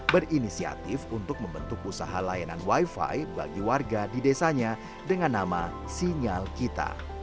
berinisiatif untuk membentuk usaha layanan wifi bagi warga di desanya dengan nama sinyal kita